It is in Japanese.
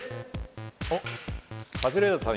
おっカズレーザーさん